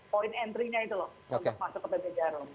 point entry nya itu loh untuk masuk ke pb jarum